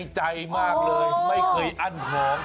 ใจมากเลยไม่เคยอั้นหอม